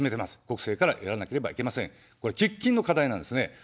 これ、喫緊の課題なんですね。